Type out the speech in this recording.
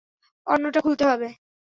অন্যটা খুলতে হবে।